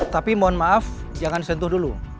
tapi mohon maaf jangan sentuh dulu